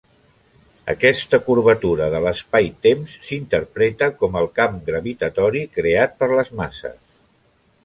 Aquesta curvatura de l'espaitemps s'interpreta com el camp gravitatori creat per les masses.